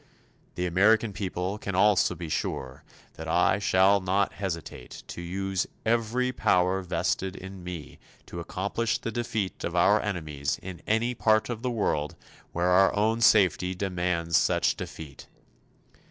The American people can also be sure that I shall not hesitate to use every power vested in me to accomplish the defeat of our enemies in any part of the world where our own safety demands such defeat.